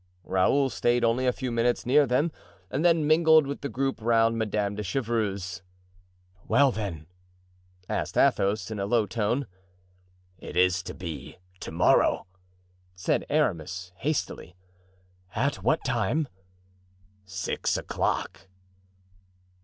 Raoul stayed only a few minutes near them and then mingled with the group round Madame de Chevreuse. "Well, then?" asked Athos, in a low tone. "It is to be to morrow," said Aramis hastily. "At what time?" "Six o'clock."